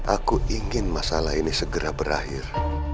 aku ingin masalah ini segera berakhir